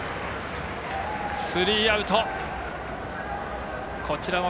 スリーアウト。